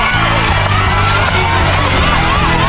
ภายในเวลา๓นาที